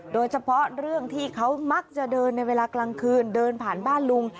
โดยเฉพาะเรื่องที่เขามักจะเดินในเวลากลางคืนเดินผ่านบ้านลุง